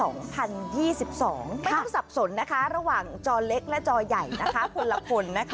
ไม่ต้องสับสนนะคะระหว่างจอเล็กและจอใหญ่นะคะคนละคนนะคะ